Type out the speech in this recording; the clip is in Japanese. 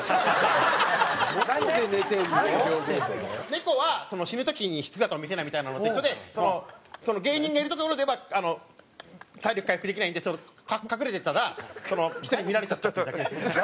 猫は死ぬ時に姿を見せないみたいなのと一緒で芸人がいる所ではあの体力回復できないんで隠れてたら人に見られちゃったっていうだけですね。